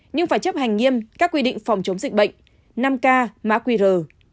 nhưng phải chấp hành nghiêm các quy định phòng chống dịch bệnh năm k mã quy rờ